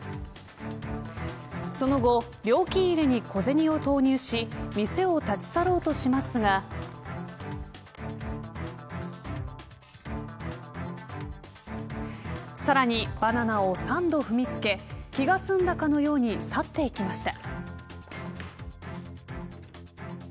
その後、料金入れに小銭を投入し店を立ち去ろうとしますがさらにバナナを３度踏みつけ気が済んだかのように去っていきました。